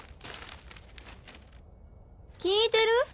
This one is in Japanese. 聞いてる？